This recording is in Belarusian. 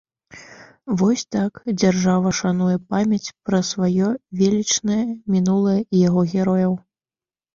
Вось так дзяржава шануе памяць пра сваё велічнае мінулае і яго герояў.